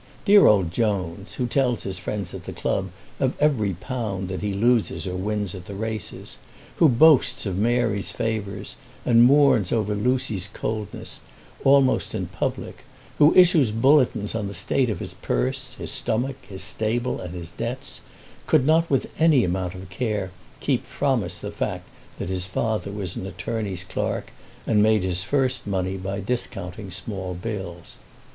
Dear old Jones, who tells his friends at the club of every pound that he loses or wins at the races, who boasts of Mary's favours and mourns over Lucy's coldness almost in public, who issues bulletins on the state of his purse, his stomach, his stable, and his debts, could not with any amount of care keep from us the fact that his father was an attorney's clerk, and made his first money by discounting small bills.